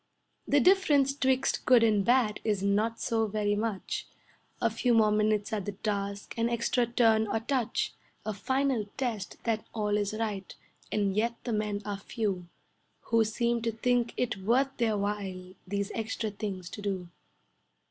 The difference 'twixt good and bad is not so very much, A few more minutes at the task, an extra turn or touch, A final test that all is right and yet the men are few Who seem to think it worth their while these extra things to do.